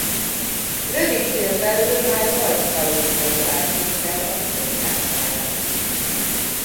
Rövid időn belül már nyolc kalózhajó állt készen a kifosztására.